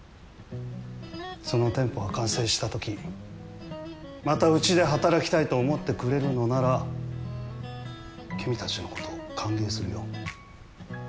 その店舗が完成したときまたうちで働きたいと思ってくれるのなら君たちのことを歓迎するよ。